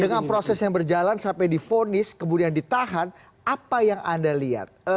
dengan proses yang berjalan sampai difonis kemudian ditahan apa yang anda lihat